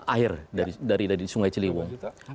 air dari sungai ciliwung